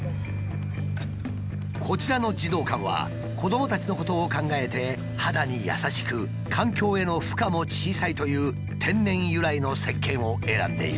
こちらの児童館は子どもたちのことを考えて肌に優しく環境への負荷も小さいという天然由来のせっけんを選んでいる。